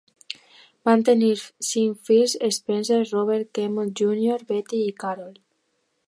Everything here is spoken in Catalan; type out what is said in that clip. Van tenir cinc fills: Spence, Robert, Kemmons júnior, Betty i Carole.